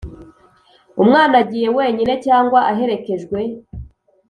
Umwana agiye wenyine cyangwa aherekejwe